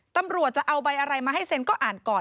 ตำรวจจะเอาใบอะไรมาให้เซ็นก็อ่านก่อน